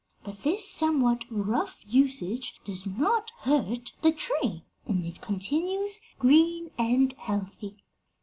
But this somewhat rough usage does not hurt the tree, and it continues green and healthy.'